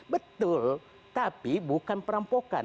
betul tapi bukan perampokan